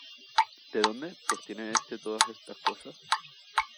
¿De dónde, pues, tiene éste todas estas cosas?